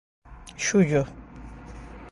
Xullo